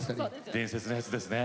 伝説のやつですね。